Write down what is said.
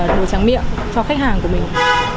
đồ tráng miệng cho khách hàng của mình